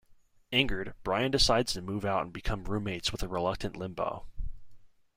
Angered, Brian decides to move out and become roommates with a reluctant Limbaugh.